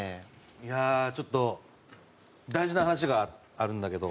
いやあちょっと大事な話があるんだけど。